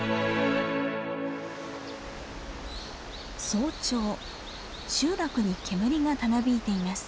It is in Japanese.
早朝集落に煙がたなびいています。